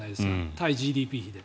対ＧＤＰ比で。